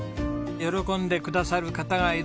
喜んでくださる方がいる。